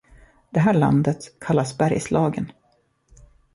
Det här landet kallas Bergslagen.